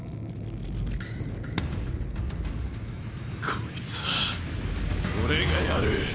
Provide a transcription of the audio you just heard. こいつは俺がやる！